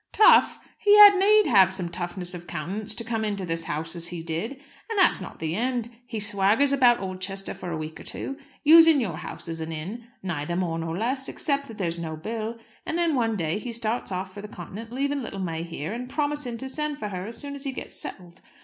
"Tough! He had need have some toughness of countenance to come into this house as he did. And that's not the end. He swaggers about Oldchester for a week or two, using your house as an inn, neither more nor less except that there's no bill; and then one day he starts off for the Continent, leaving little May here, and promising to send for her as soon as he gets settled.